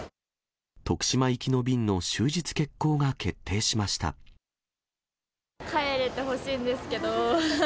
徳島行きの便の終日欠航が決帰れてほしいんですけど。